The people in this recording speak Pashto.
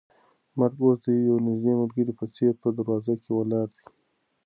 مرګ اوس د یو نږدې ملګري په څېر په دروازه کې ولاړ دی.